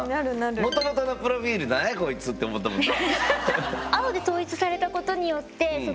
もともとのプロフィールなんやこいつって思ったもんな。